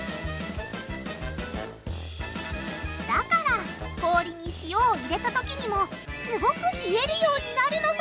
だから氷に塩を入れたときにもすごく冷えるようになるのさ！